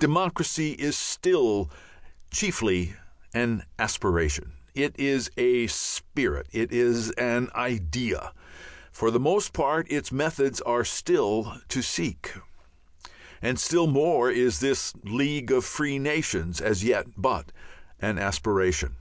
Democracy is still chiefly an aspiration, it is a spirit, it is an idea; for the most part its methods are still to seek. And still more is this "League of Free Nations" as yet but an aspiration.